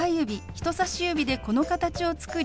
人さし指でこの形を作り